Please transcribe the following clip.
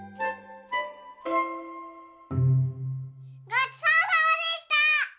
ごちそうさまでした！